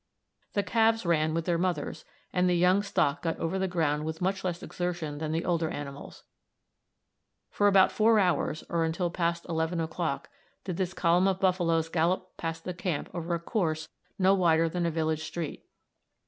The calves ran with their mothers, and the young stock got over the ground with much less exertion than the older animals. For about four hours, or until past 11 o'clock, did this column of buffaloes gallop past the camp over a course no wider than a village street.